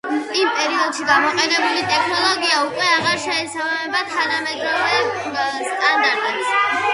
იმ პერიოდში გამოყენებული ტექნოლოგია უკვე აღარ შეესაბამება თანამედროვე სტანდარტებს.